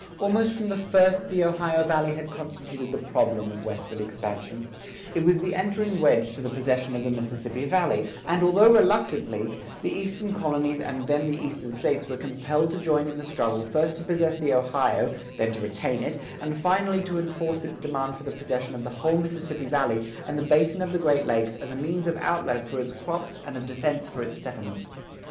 Almost from the first the Ohio valley had constituted the problem of westward expansion. It was the entering wedge to the possession of the Mississippi Valley, and, although reluctantly, the Eastern colonies and then the Eastern States were compelled to join in the struggle first to possess the Ohio, then to retain it, and finally to enforce its demand for the possession of the whole Mississippi Valley and the basin of the Great Lakes as a means of outlet for its crops and of defense for its settlements.